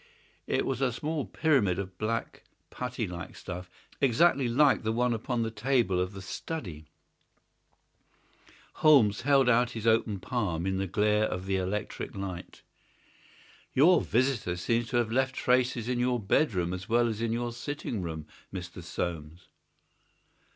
It was a small pyramid of black, putty like stuff, exactly like the one upon the table of the study. Holmes held it out on his open palm in the glare of the electric light. "Your visitor seems to have left traces in your bedroom as well as in your sitting room, Mr. Soames."